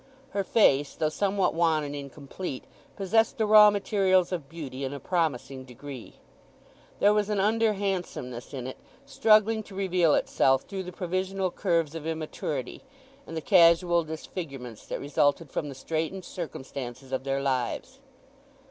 Her face, though somewhat wan and incomplete, possessed the raw materials of beauty in a promising degree. There was an under handsomeness in it, struggling to reveal itself through the provisional curves of immaturity, and the casual disfigurements that resulted from the straitened circumstances of their lives.